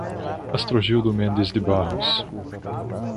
Astrogildo Mendes de Barrros